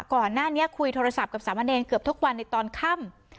ก่อนหน้านี้คุยโทรศัพท์กับสามะเนรเกือบทุกวันในตอนค่ำ